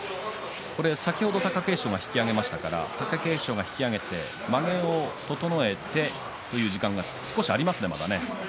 貴景勝が引き揚げましたから貴景勝が引き揚げてまげを整えてという時間が少しはありますね。